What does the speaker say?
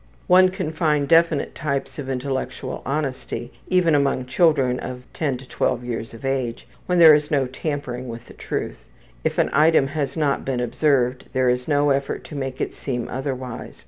One can find definite types of intellectual honesty, even among children of 10 or 12 years of age, when there is no tampering with the truth; if an item has not been observed, there is no effort to make it seem otherwise.